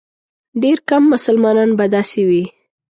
ډېر کم مسلمانان به داسې وي.